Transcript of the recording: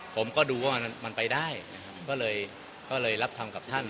ผมก็ดูว่ามันไปได้นะครับก็เลยรับทำกับท่าน